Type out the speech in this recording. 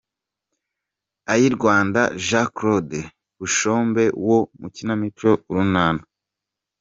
Ayirwanda Jean Claude: Bushombe wo mu ikinamico Urunana.